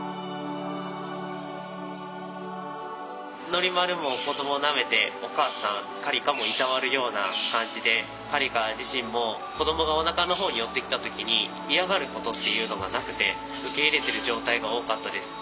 ノリマルも子どもなめてお母さんカリカもいたわるような感じでカリカ自身も子どもがおなかの方に寄ってきた時に嫌がることっていうのがなくて受け入れてる状態が多かったです。